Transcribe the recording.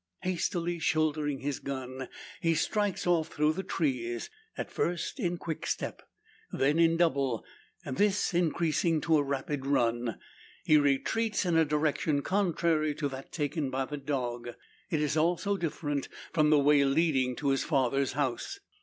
Hastily shouldering his gun, he strikes off through the trees; at first in quick step; then in double; this increasing to a rapid run. He retreats in a direction contrary to that taken by the dog. It is also different from the way leading to his father's house.